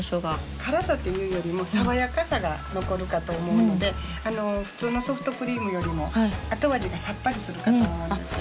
辛さっていうよりも爽やかさが残るかと思うので普通のソフトクリームよりも後味がさっぱりするかと思うんですけど。